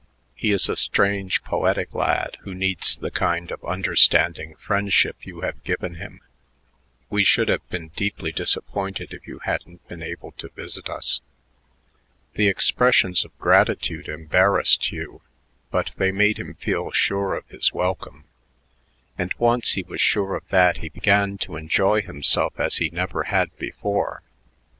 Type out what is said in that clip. He is a strange, poetic lad who needs the kind of understanding friendship you have given him. We should have been deeply disappointed if you hadn't been able to visit us." The expressions of gratitude embarrassed Hugh, but they made him feel sure of his welcome; and once he was sure of that he began to enjoy himself as he never had before.